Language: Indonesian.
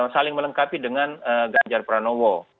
saling melengkapi dengan ganjar pranowo